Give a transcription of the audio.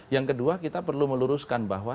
yang kedua kita perlu meluruskan bahwa